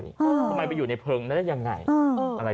ทำไมไปอยู่ในพงษ์แล้วอย่างไร